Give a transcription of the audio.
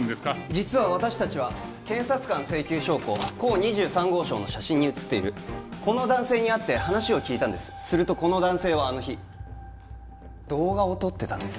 実は私達は検察官請求証拠甲二十三号証の写真に写っているこの男性に会い話を聞いたんですするとこの男性はあの日動画を撮ってたんです